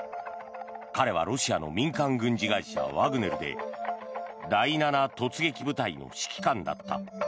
彼はロシアの民間軍事会社ワグネルで第７突撃部隊の指揮官だった。